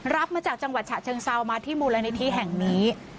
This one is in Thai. รับมาจากจังหวัดฉะเชิงเซามาที่มูลนิธิแห่งนี้